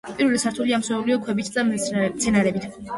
პირველი სართული ამოვსებულია ქვებით და მცენარეებით.